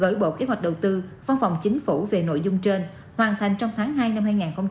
gửi bộ kế hoạch đầu tư phong phòng chính phủ về nội dung trên hoàn thành trong tháng hai năm hai nghìn hai mươi ba